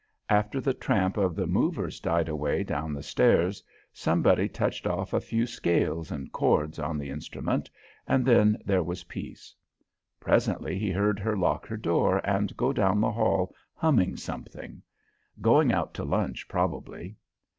After the tramp of the movers died away down the stairs, somebody touched off a few scales and chords on the instrument, and then there was peace. Presently he heard her lock her door and go down the hall humming something; going out to lunch, probably.